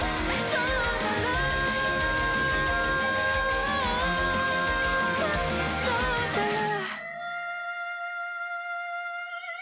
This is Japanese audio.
「そうだろ？」